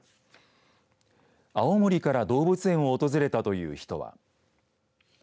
青森から動物園を訪れたという人は。